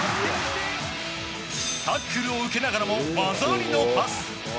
タックルを受けながらも技ありのパス。